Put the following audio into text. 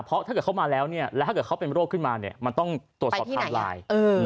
เพราะถ้าเข้ามาแล้วแล้วถ้าเขาเป็นโรคขึ้นมามันต้องตรวจสอบทางหลาย